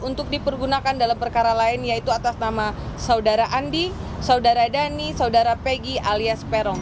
untuk dipergunakan dalam perkara lain yaitu atas nama saudara andi saudara dhani saudara pegi alias peron